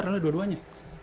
lalu lu dua duanya